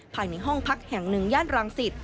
ภายในห้องพักแห่ง๑ย่านรังสิทธิ์